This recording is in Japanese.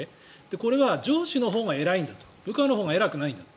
これは上司のほうが偉いんだと部下のほうが偉くないんだと。